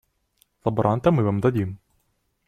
Лаборанта мы вам дадим.